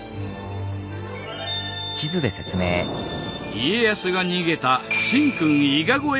家康が逃げた神君伊賀越えをたどる旅。